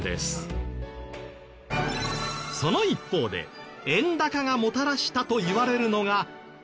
その一方で円高がもたらしたといわれるのが。